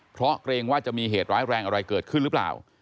เพราะเกรงว่าจะมีเหตุร้ายแรงอะไรเกิดขึ้นหรือเปล่า